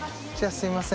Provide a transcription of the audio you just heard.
すいません